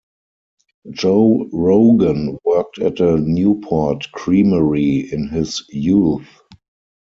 Joe Rogan worked at a Newport Creamery in his youth.